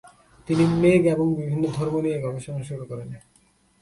তিনি মেঘ এবং এর বিভিন্ন ধর্ম নিয়ে গবেষণা শুরু করেন।